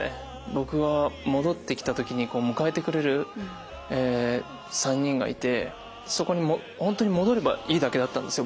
僕が戻ってきた時に迎えてくれる３人がいてそこに本当に戻ればいいだけだったんですよ